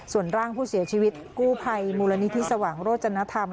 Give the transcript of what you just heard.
ส่วนร่างผู้เสียชีวิตกู้ภัยมูลนิธิสว่างโรจนธรรม